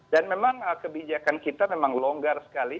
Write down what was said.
dan memang kebijakan kita memang longgar sekali